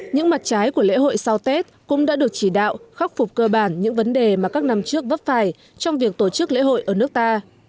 những mặt trái của lễ hội sau tết cũng đã được chỉ đạo khắc phục cơ bản những vấn đề mà các năm trước vấp phải trong việc tổ chức lễ hội ở nước ta